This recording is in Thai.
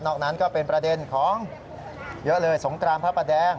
นั้นก็เป็นประเด็นของเยอะเลยสงกรานพระประแดง